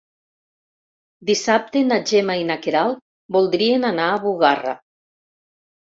Dissabte na Gemma i na Queralt voldrien anar a Bugarra.